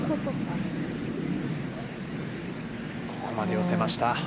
ここまで寄せました。